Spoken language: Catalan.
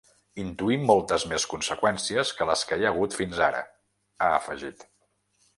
Intuïm moltes més conseqüències que les que hi ha hagut fins ara, ha afegit.